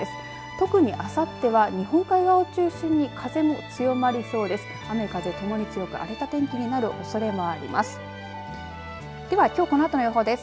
特にあさっては日本海側を中心に風も強まりそうです。